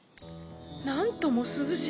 なんとも涼しげ。